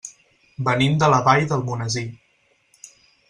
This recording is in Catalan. Venim de la Vall d'Almonesir.